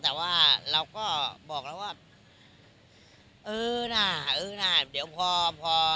แต่ว่าเราก็บอกแล้วว่าเออน่ะเออน่ะเดี๋ยวพอพอ